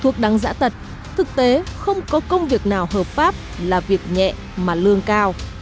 thuộc đăng giã tật thực tế không có công việc nào hợp pháp là việc nhẹ mà lương cao